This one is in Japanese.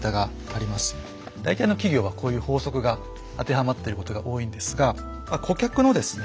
大体の企業はこういう法則が当てはまってることが多いんですが顧客のですね